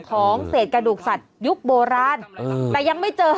ของเศษกระดูกสัตว์ยุคโบราณแต่ยังไม่เจอ